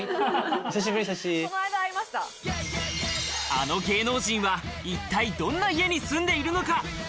あの芸能人は一体どんな家に住んでいるのか？